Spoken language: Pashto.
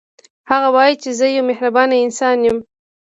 هغه وايي چې زه یو مهربانه انسان یم